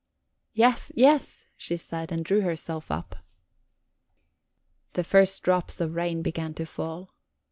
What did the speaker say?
"Yes, yes," she said, and drew herself up. The first drops of rain began to fall.